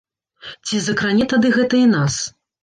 Ці закране тады гэта і нас?